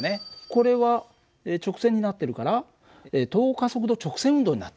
これは直線になってるから等加速度直線運動になってるよね。